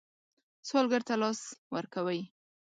سوالګر ته لاس ورکوئ